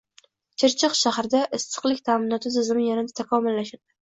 Chirchiq shahrida issiqlik ta’minoti tizimi yanada takomillashadi